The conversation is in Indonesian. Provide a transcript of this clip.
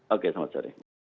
oke selamat sore